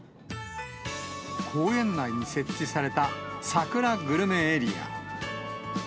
公園内に設置されたさくらグルメエリア。